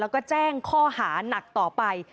แล้วก็แจ้งข้อหานักต่อไป